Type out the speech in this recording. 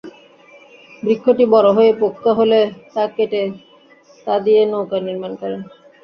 বৃক্ষটি বড় হয়ে পোক্ত হলে তা কেটে তা দিয়ে নৌকা নির্মাণ করেন।